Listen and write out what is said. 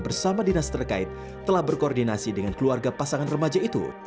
bersama dinas terkait telah berkoordinasi dengan keluarga pasangan remaja itu